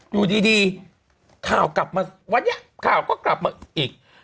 อยู่ดีข่าวกลับมาวันนี้ข่าวก็กลับมาอีก